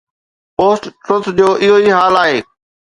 Post-Truth جو اهو ئي حال آهي.